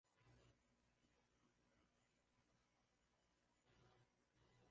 Peninsula ya Balkan katika kipindi cha baadaye cha